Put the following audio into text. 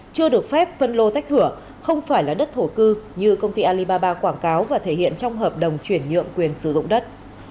chưa được phép phân lô tách thửa không phải là đất thổ cư như công ty alibaba quảng cáo và thể hiện trong hợp đồng chuyển nhượng quyền sử dụng đất